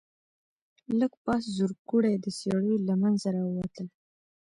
لږ پاس زرکوړي د څېړيو له منځه راووتل.